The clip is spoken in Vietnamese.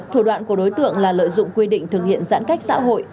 thủ đoạn của đối tượng là lợi dụng quy định thực hiện giãn cách xã hội